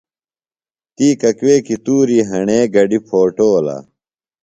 تی ککویکی تُوری ہݨے گڈیۡ پھوٹولہ۔